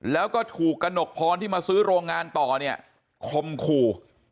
แล้วก็ถูกกระหนกพรที่มาซื้อโรงงานต่อเนี่ยคมขู่